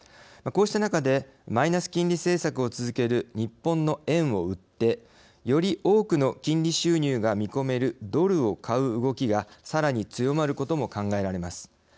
こうした中でマイナス金利政策を続ける日本の円を売ってより多くの金利収入が見込めるドルを買う動きがさらに強まることも考えられます。